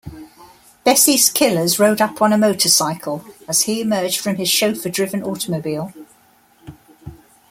Besse's killers rode up on a motorcycle as he emerged from his chauffeur-driven automobile.